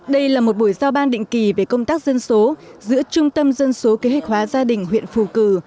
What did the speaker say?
đây là một buổi giao ban định kỳ về công tác dân số giữa trung tâm dân số kế hoạch hóa gia đình huyện phù cử